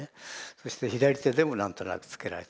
そして左手でも何となくつけられた。